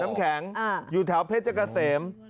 น้ำแข็งอยู่แถวเพชรเกษม